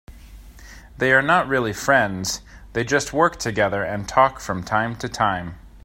They are not really friends, they just work together and talk from time to time.